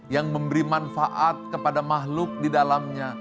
yang memberi manfaat kepada makhluk di dalamnya